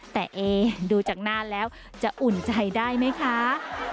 แต่เอดูจากนานแล้วจะอุ่นใจได้ไหมคะ